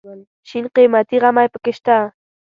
شین قیمتي غمی پکې شته.